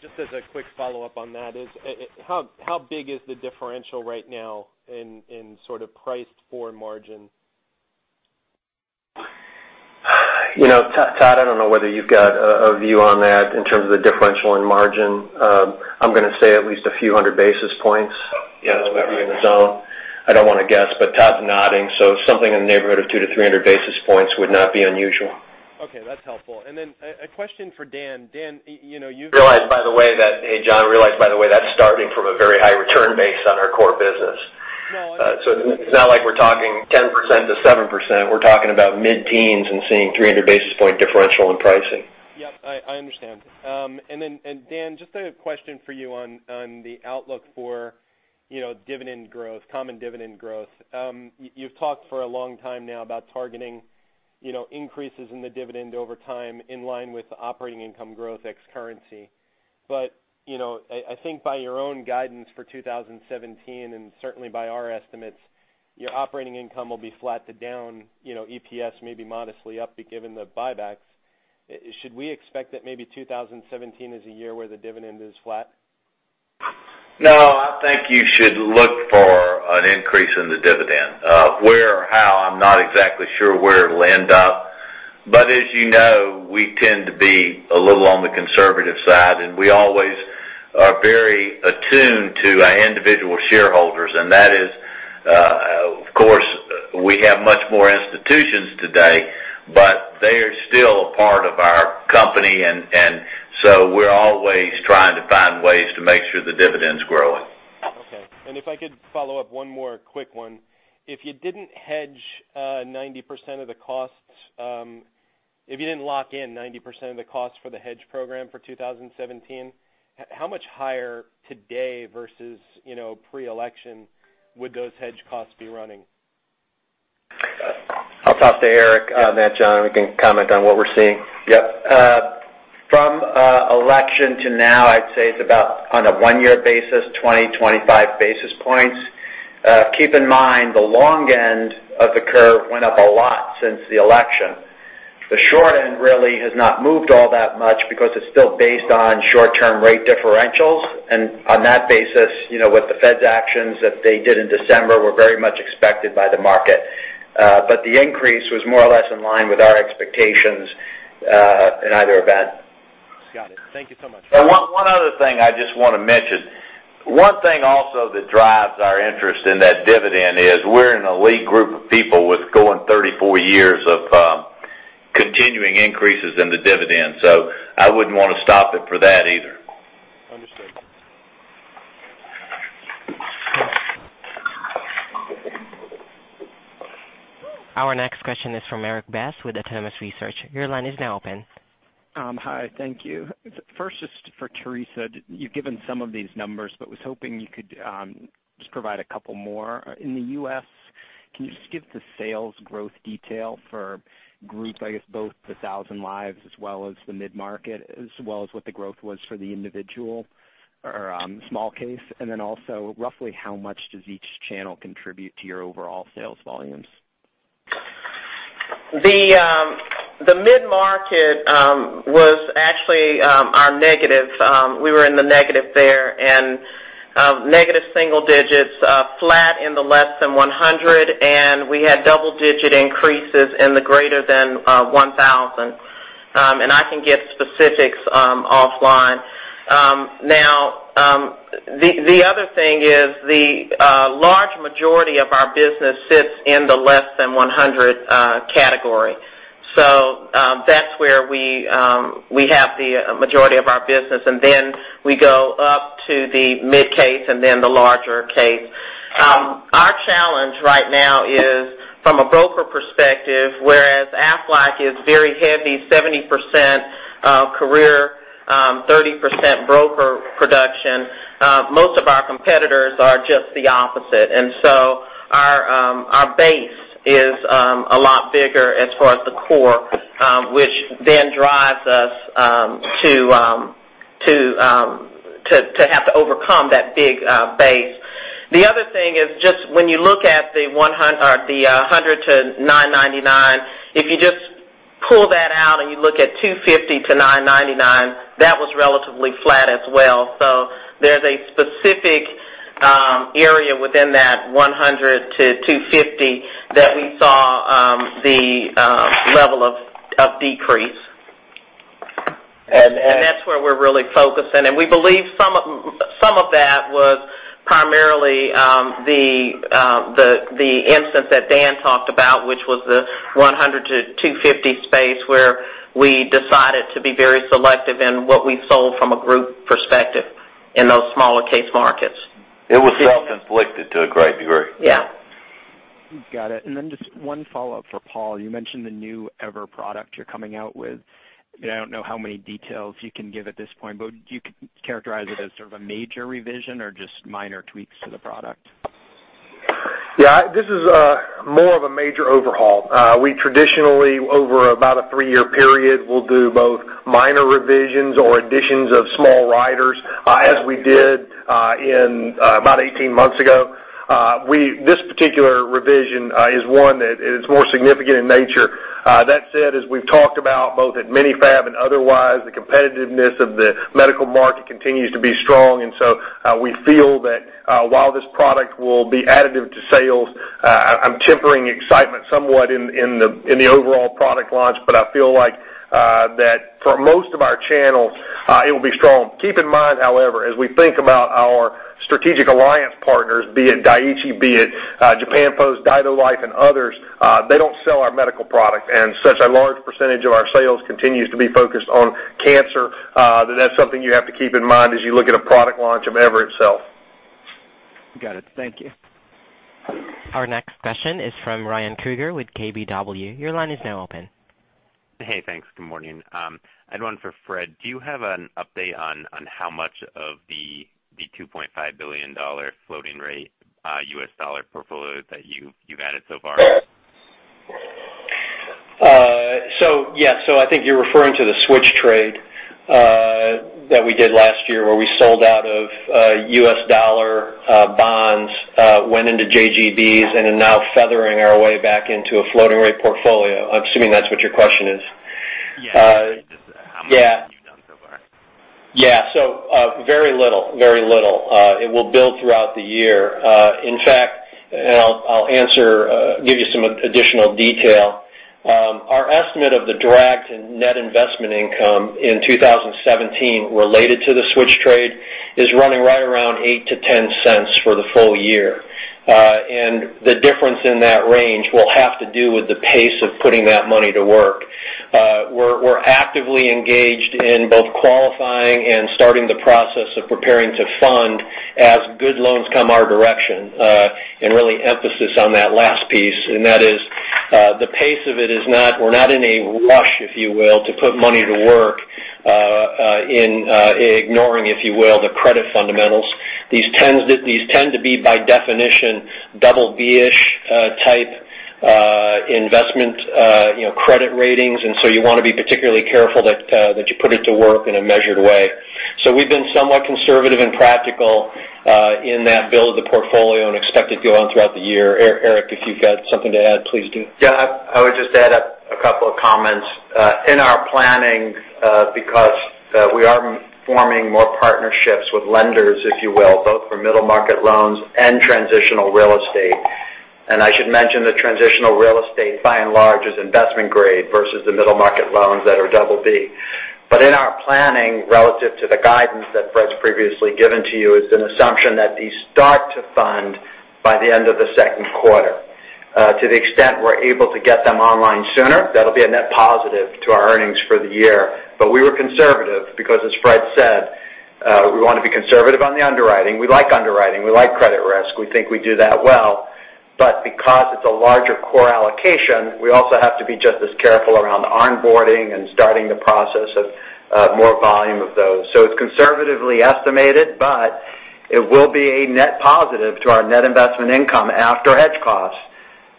Just as a quick follow-up on that is, how big is the differential right now in sort of priced for margin? Todd, I don't know whether you've got a view on that in terms of the differential in margin. I'm going to say at least a few hundred basis points. Yes. In the zone. I don't want to guess, but Todd's nodding. Something in the neighborhood of two to 300 basis points would not be unusual. Okay. That's helpful. A question for Dan. Dan, you've Realized by the way that, hey, John, that's starting from a very high return base on our core business. No. It's not like we're talking 10%-7%. We're talking about mid-teens and seeing 300 basis points differential in pricing. I understand. Dan, just a question for you on the outlook for dividend growth, common dividend growth. You've talked for a long time now about targeting increases in the dividend over time in line with operating income growth ex currency. I think by your own guidance for 2017 and certainly by our estimates, your operating income will be flat to down, EPS may be modestly up given the buybacks. Should we expect that maybe 2017 is a year where the dividend is flat? No, I think you should look for an increase in the dividend. Where or how, I'm not exactly sure where it'll end up, but as you know, we tend to be a little on the conservative side, and we always are very attuned to our individual shareholders, and that is, of course, we have much more institutions today, but they are still a part of our company, and so we're always trying to find ways to make sure the dividend's growing. Okay. If I could follow up one more quick one. If you didn't hedge 90% of the costs, if you didn't lock in 90% of the cost for the hedge program for 2017, how much higher today versus pre-election would those hedge costs be running? I'll talk to Eric on that, John, and we can comment on what we're seeing. Yep. From election to now, I'd say it's about, on a one-year basis, 20, 25 basis points. Keep in mind, the long end of the curve went up a lot since the election. The short end really has not moved all that much because it's still based on short-term rate differentials, and on that basis, with the Fed's actions that they did in December, were very much expected by the market. The increase was more or less in line with our expectations, in either event. Got it. Thank you so much. One other thing I just want to mention. One thing also that drives our interest in that dividend is we're in an elite group of people with going 34 years of continuing increases in the dividend. I wouldn't want to stop it for that either. Understood. Our next question is from Erik Bass with Autonomous Research. Your line is now open. Hi, thank you. First, just for Teresa, you've given some of these numbers, but was hoping you could just provide a couple more. In the U.S., can you just give the sales growth detail for groups, I guess both the 1,000 lives as well as the mid-market, as well as what the growth was for the individual or small case? Also, roughly how much does each channel contribute to your overall sales volumes? The mid-market was actually our negative. We were in the negative there, negative single digits, flat in the less than 100, and we had double-digit increases in the greater than 1,000. I can get specifics offline. The other thing is the large majority of our business sits in the less than 100 category. That's where we have the majority of our business, and then we go up to the mid case and then the larger case. Our challenge right now is from a broker perspective, whereas Aflac is very heavy, 70% career, 30% broker production, most of our competitors are just the opposite. Our base is a lot bigger as far as the core, which then drives us to have to overcome that big base. The other thing is just when you look at the 100 to 999, if you just pull that out and you look at 250 to 999, that was relatively flat as well. There's a specific area within that 100 to 250 that we saw the level of decrease. And- That's where we're really focusing. We believe some of that was primarily the instance that Dan talked about, which was the 100 to 250 space where we decided to be very selective in what we sold from a group perspective in those smaller case markets. It was self-inflicted to a great degree. Yeah. Got it. Then just one follow-up for Paul. You mentioned the new EVER product you're coming out with. I don't know how many details you can give at this point, but do you characterize it as sort of a major revision or just minor tweaks to the product? This is more of a major overhaul. We traditionally, over about a three-year period, will do both minor revisions or additions of small riders as we did about 18 months ago. This particular revision is one that is more significant in nature. That said, as we've talked about both at MiniFAB and otherwise, the competitiveness of the medical market continues to be strong, and so we feel that while this product will be additive to sales, I'm tempering excitement somewhat in the overall product launch, but I feel like that for most of our channels, it will be strong. Keep in mind, however, as we think about our strategic alliance partners, be it Dai-ichi, be it Japan Post, Daido Life, and others, they don't sell our medical product. Such a large percentage of our sales continues to be focused on cancer, that that's something you have to keep in mind as you look at a product launch of EVER itself. Got it. Thank you. Our next question is from Ryan Krueger with KBW. Your line is now open. Hey, thanks. Good morning. I had one for Fred. Do you have an update on how much of the $2.5 billion floating rate, U.S. dollar portfolio that you've added so far? Yeah. I think you're referring to the switch trade that we did last year where we sold out of US dollar bonds, went into JGBs, and are now feathering our way back into a floating rate portfolio. I'm assuming that's what your question is. Yeah. Yeah. How much have you done so far? Yeah. Very little. It will build throughout the year. In fact, I'll give you some additional detail. Our estimate of the drag to net investment income in 2017 related to the switch trade is running right around $0.08-$0.10 for the full year. The difference in that range will have to do with the pace of putting that money to work. We're actively engaged in both qualifying and starting the process of preparing to fund as good loans come our direction. Really emphasis on that last piece, and that is the pace of it is we're not in a rush, if you will, to put money to work, in ignoring, if you will, the credit fundamentals. These tend to be by definition double B-ish type investment credit ratings. You want to be particularly careful that you put it to work in a measured way. We've been somewhat conservative and practical in that build the portfolio and expect it to go on throughout the year. Eric, if you've got something to add, please do. Yeah. I would just add a couple of comments. In our planning, because we are forming more partnerships with lenders, if you will, both for middle market loans and transitional real estate. I should mention that transitional real estate by and large is investment grade versus the middle market loans that are double B. In our planning, relative to the guidance that Fred's previously given to you, is an assumption that these start to fund by the end of the second quarter. To the extent we're able to get them online sooner, that'll be a net positive to our earnings for the year. We were conservative because, as Fred said, we want to be conservative on the underwriting. We like underwriting. We like credit risk. We think we do that well. Because it's a larger core allocation, we also have to be just as careful around the onboarding and starting the process of more volume of those. It's conservatively estimated, but it will be a net positive to our net investment income after hedge costs.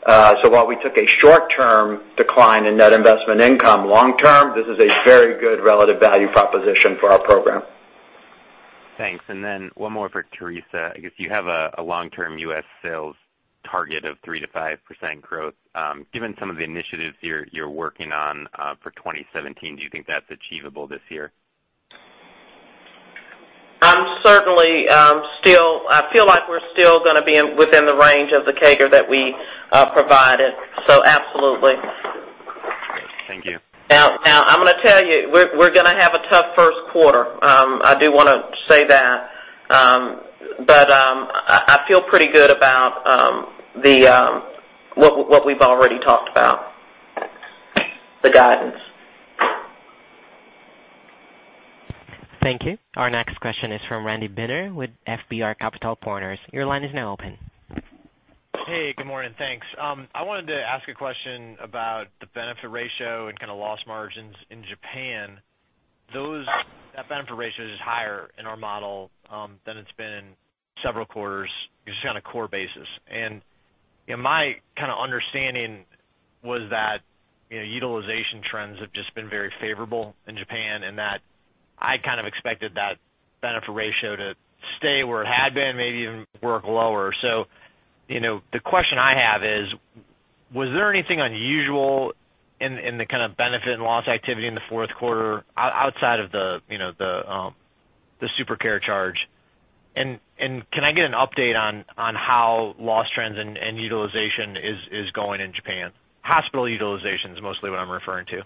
While we took a short-term decline in net investment income, long term, this is a very good relative value proposition for our program. Thanks. One more for Teresa. I guess you have a long-term U.S. sales target of 3%-5% growth. Given some of the initiatives you're working on for 2017, do you think that's achievable this year? I feel like we're still going to be within the range of the CAGR that we provided. Absolutely. Thank you. I'm going to tell you. We're going to have a tough first quarter. I do want to say that. I feel pretty good about what we've already talked about. The guidance. Thank you. Our next question is from Randy Binner with FBR Capital Markets. Your line is now open. Hey, good morning. Thanks. I wanted to ask a question about the benefit ratio and kind of loss margins in Japan. That benefit ratio is higher in our model than it's been several quarters, just on a core basis. My kind of understanding was that utilization trends have just been very favorable in Japan, and that I kind of expected that benefit ratio to stay where it had been, maybe even work lower. The question I have is, was there anything unusual in the kind of benefit and loss activity in the fourth quarter outside of the Super Care charge? Can I get an update on how loss trends and utilization is going in Japan? Hospital utilization is mostly what I'm referring to.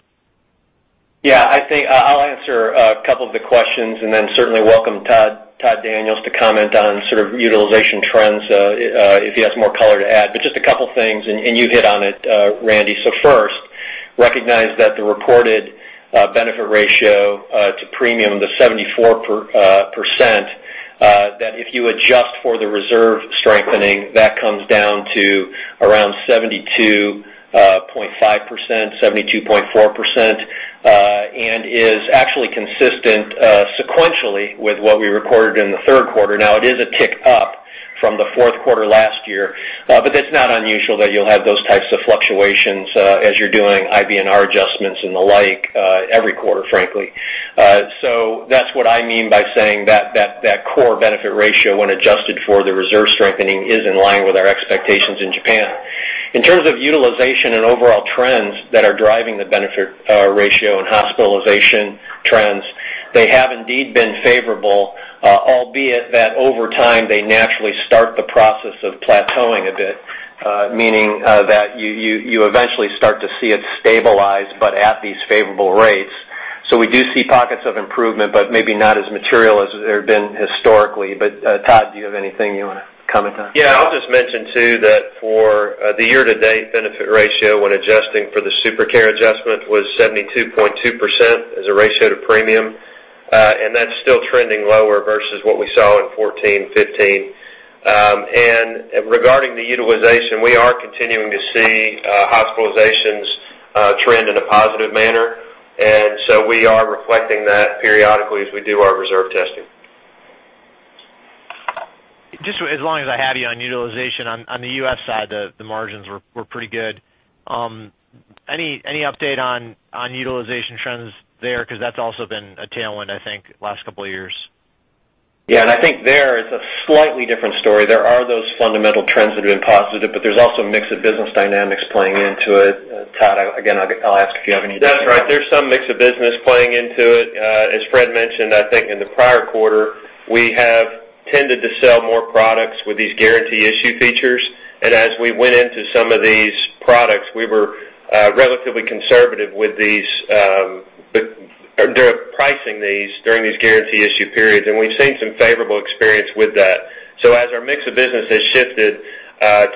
Yeah. I'll answer a couple of the questions, and then certainly welcome Todd Daniels to comment on sort of utilization trends, if he has more color to add. Just a couple things, and you hit on it, Randy. First, recognize that the reported benefit ratio to premium, the 74%, that if you adjust for the reserve strengthening, that comes down to around 72.5%, 72.4%, and is actually consistent sequentially with what we recorded in the third quarter. Now, it is a tick up from the fourth quarter last year. That's not unusual that you'll have those types of fluctuations as you're doing IBNR adjustments and the like every quarter, frankly. That's what I mean by saying that core benefit ratio, when adjusted for the reserve strengthening, is in line with our expectations in Japan. In terms of utilization and overall trends that are driving the benefit ratio and hospitalization trends, they have indeed been favorable, albeit that over time, they naturally start the process of plateauing a bit. Meaning that you eventually start to see it stabilize, but at these favorable rates. We do see pockets of improvement, but maybe not as material as there had been historically. Todd, do you have anything you want to comment on? Yeah. I'll just mention too that for the year to date benefit ratio when adjusting for the Super Care adjustment was 72.2% as a ratio to premium. That's still trending lower versus what we saw in 2014, 2015. Regarding the utilization, we are continuing to see hospitalizations trend in a positive manner. We are reflecting that periodically as we do our reserve testing. Just as long as I have you on utilization on the U.S. side, the margins were pretty good. Any update on utilization trends there? Because that's also been a tailwind, I think, last couple of years. I think there it's a slightly different story. There are those fundamental trends that have been positive, but there's also a mix of business dynamics playing into it. Todd, again, I'll ask if you have any- That's right. There's some mix of business playing into it. As Fred mentioned, I think in the prior quarter, we have tended to sell more products with these Guaranteed Issue features. As we went into some of these products, we were relatively conservative with pricing these during these Guaranteed Issue periods, and we've seen some favorable experience with that. As our mix of business has shifted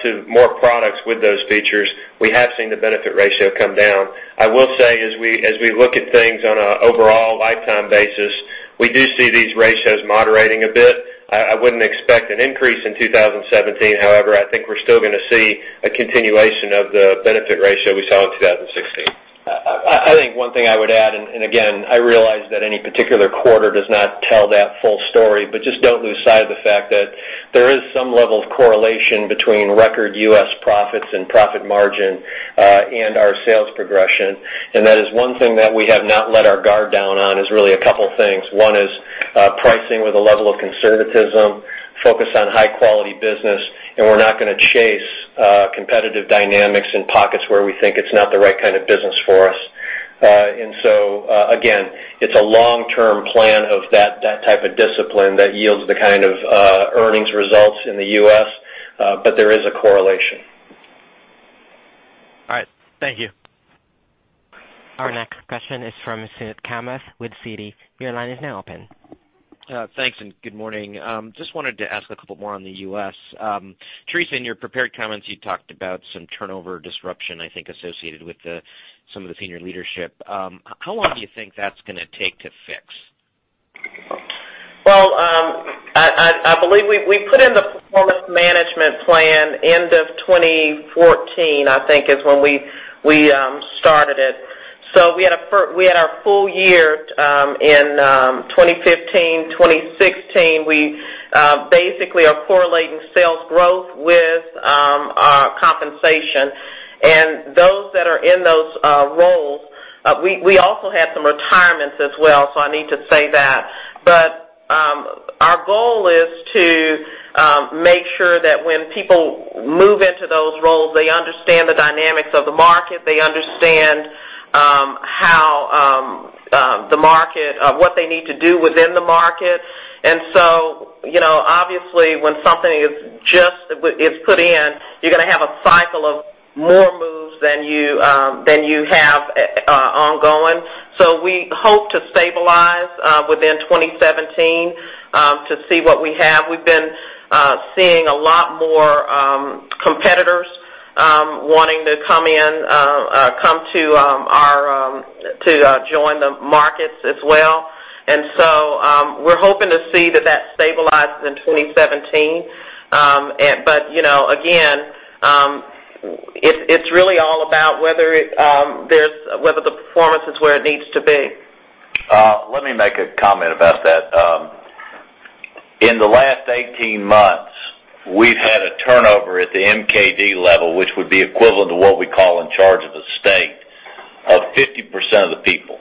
to more products with those features, we have seen the benefit ratio come down. I will say, as we look at things on an overall lifetime basis, we do see these ratios moderating a bit. I wouldn't expect an increase in 2017. I think we're still going to see a continuation of the benefit ratio we saw in 2016. I think one thing I would add, again, I realize that any particular quarter does not tell that full story, but just don't lose sight of the fact that there is some level of correlation between record U.S. profits and profit margin, and our sales progression. That is one thing that we have not let our guard down on, is really a couple things. One is pricing with a level of conservatism, focus on high-quality business, we're not going to chase competitive dynamics in pockets where we think it's not the right kind of business for us. Again, it's a long-term plan of that type of discipline that yields the kind of earnings results in the U.S. There is a correlation. All right. Thank you. Our next question is from Suneet Kamath with Citi. Your line is now open. Thanks. Good morning. Just wanted to ask a couple more on the U.S. Teresa, in your prepared comments, you talked about some turnover disruption, I think, associated with some of the senior leadership. How long do you think that's going to take to fix? Well, I believe we put in the performance management plan end of 2014, I think is when we started it. We had our full year in 2015, 2016. We basically are correlating sales growth with compensation and those that are in those roles. We also had some retirements as well, so I need to say that. Our goal is to make sure that when people move into those roles, they understand the dynamics of the market, they understand what they need to do within the market. Obviously when something is put in, you're going to have a cycle of more moves than you have ongoing. We hope to stabilize within 2017 to see what we have. We've been seeing a lot more competitors wanting to come to join the markets as well. We're hoping to see that that stabilizes in 2017. Again, it's really all about whether the performance is where it needs to be. Let me make a comment about that. In the last 18 months, we've had a turnover at the MKD level, which would be equivalent to what we call in charge of a state of 50% of the people.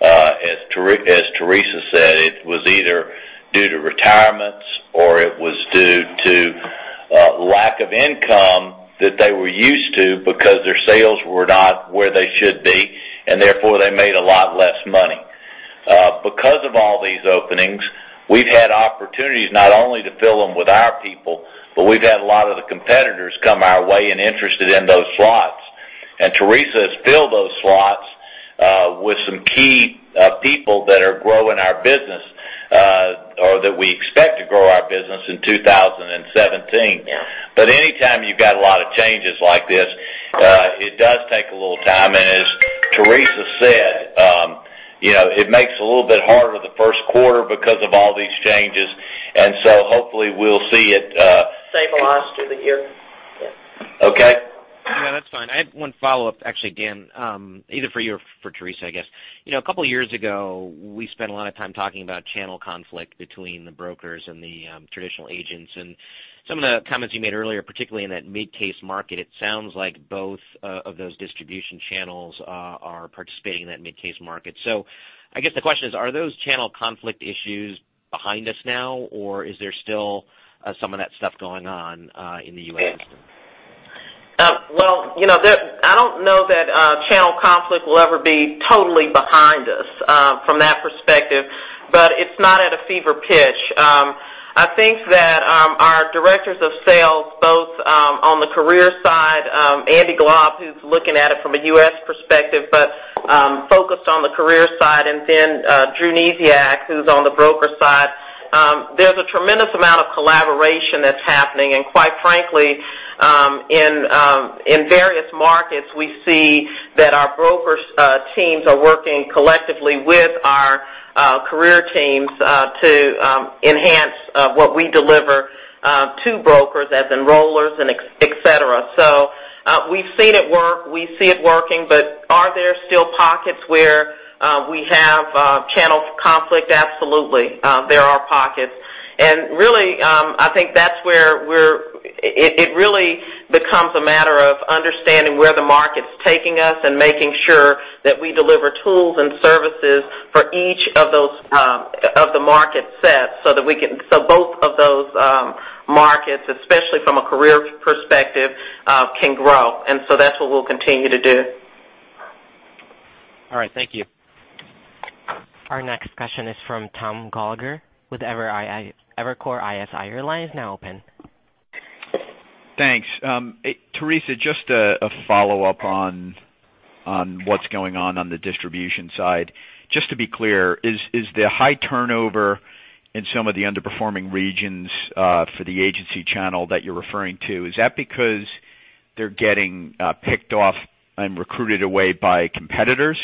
As Teresa said, it was either due to retirements or it was due to lack of income that they were used to because their sales were not where they should be, and therefore they made a lot less money. Of all these openings, we've had opportunities not only to fill them with our people, but we've had a lot of the competitors come our way and interested in those slots. Teresa has filled those slots with some key people that are growing our business or that we expect to grow our business in 2017. Yeah. Anytime you've got a lot of changes like this, it does take a little time. As Teresa said, it makes it a little bit harder the first quarter because of all these changes, hopefully we'll see it. Stabilize through the year. Yes. Okay. Yeah, that's fine. I have one follow-up, actually, Dan, either for you or for Teresa, I guess. A couple of years ago, we spent a lot of time talking about channel conflict between the brokers and the traditional agents, and some of the comments you made earlier, particularly in that mid-case market, it sounds like both of those distribution channels are participating in that mid-case market. I guess the question is: Are those channel conflict issues behind us now, or is there still some of that stuff going on in the U.S.? Well, I don't know that channel conflict will ever be totally behind us from that perspective, but it's not at a fever pitch. I think that our directors of sales, both on the career side, Andrew Glaub, who's looking at it from a U.S. perspective, but focused on the career side, and then Drew Niziak, who's on the broker side. There's a tremendous amount of collaboration that's happening, and quite frankly, in various markets, we see that our brokers teams are working collectively with our career teams to enhance what we deliver to brokers as enrollers and et cetera. We've seen it work, we see it working. Are there still pockets where we have channel conflict? Absolutely. There are pockets. Really, I think it really becomes a matter of understanding where the market's taking us and making sure that we deliver tools and services for each of the market sets so both of those markets, especially from a career perspective, can grow. That's what we'll continue to do. All right. Thank you. Our next question is from Thomas Gallagher with Evercore ISI. Your line is now open. Thanks. Teresa, just a follow-up on what's going on the distribution side. Just to be clear, is the high turnover in some of the underperforming regions for the agency channel that you're referring to, is that because they're getting picked off and recruited away by competitors,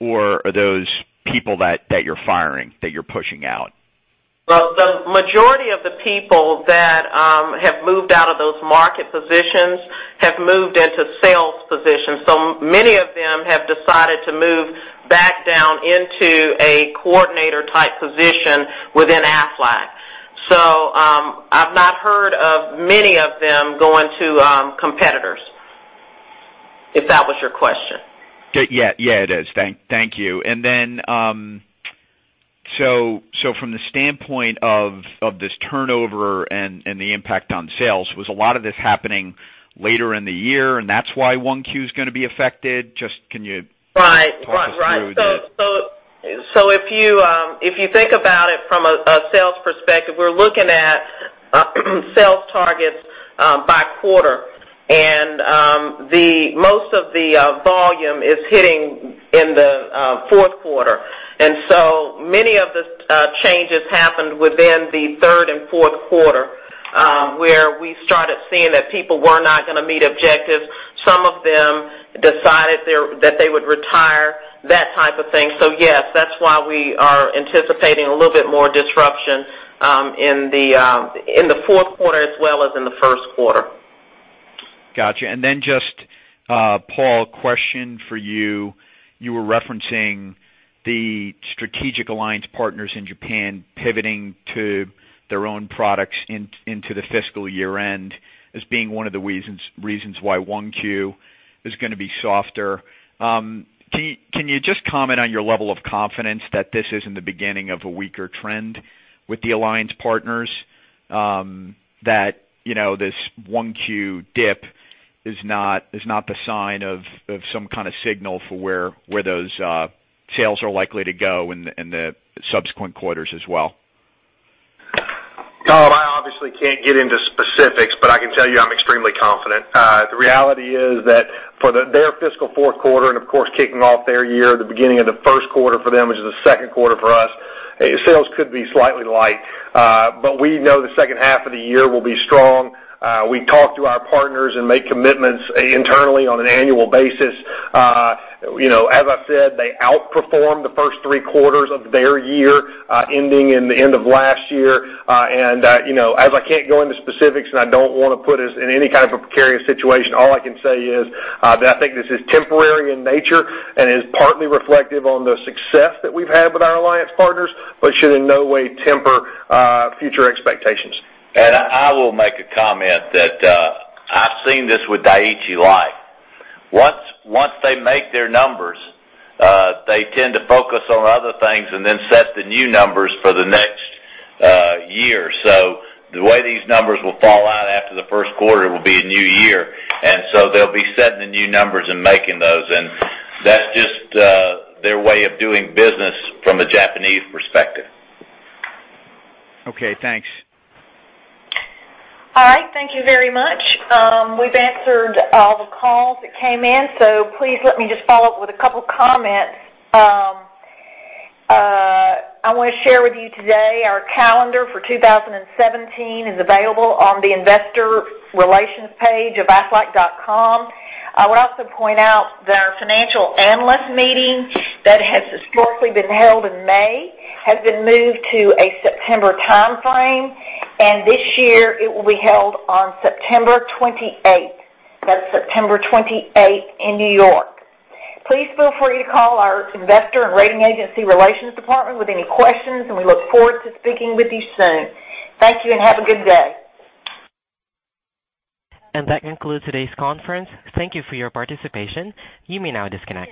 or are those people that you're firing, that you're pushing out? Well, the majority of the people that have moved out of those market positions have moved into sales positions. Many of them have decided to move back down into a coordinator type position within Aflac. I've not heard of many of them going to competitors, if that was your question. Yeah, it is. Thank you. From the standpoint of this turnover and the impact on sales, was a lot of this happening later in the year, and that's why one Q is going to be affected? Just can you- Right talk us through. If you think about it from a sales perspective, we're looking at sales targets by quarter, and most of the volume is hitting in the fourth quarter. Many of the changes happened within the third and fourth quarter, where we started seeing that people were not going to meet objectives. Some of them decided that they would retire, that type of thing. Yes, that's why we are anticipating a little bit more disruption in the fourth quarter as well as in the first quarter. Got you. Just, Paul, a question for you. You were referencing the strategic alliance partners in Japan pivoting to their own products into the fiscal year-end as being one of the reasons why 1Q is going to be softer. Can you just comment on your level of confidence that this isn't the beginning of a weaker trend with the alliance partners? That this 1Q dip is not the sign of some kind of signal for where those sales are likely to go in the subsequent quarters as well. Tom, I obviously can't get into specifics, but I can tell you I'm extremely confident. The reality is that for their fiscal fourth quarter, and of course, kicking off their year at the beginning of the first quarter for them, which is the second quarter for us, sales could be slightly light. We know the second half of the year will be strong. We talk to our partners and make commitments internally on an annual basis. As I said, they outperformed the first three quarters of their year ending in the end of last year. As I can't go into specifics, I don't want to put us in any kind of precarious situation, all I can say is that I think this is temporary in nature and is partly reflective on the success that we've had with our alliance partners should in no way temper future expectations. I will make a comment that I've seen this with Dai-ichi Life. Once they make their numbers, they tend to focus on other things then set the new numbers for the next year. The way these numbers will fall out after the first quarter will be a new year, they'll be setting the new numbers and making those, that's just their way of doing business from a Japanese perspective. Okay, thanks. All right. Thank you very much. We've answered all the calls that came in, please let me just follow up with a couple comments. I want to share with you today our calendar for 2017 is available on the investor relations page of aflac.com. I would also point out that our financial analyst meeting that has historically been held in May has been moved to a September timeframe, this year it will be held on September 28th. That's September 28th in New York. Please feel free to call our investor and rating agency relations department with any questions, we look forward to speaking with you soon. Thank you and have a good day. That concludes today's conference. Thank you for your participation. You may now disconnect.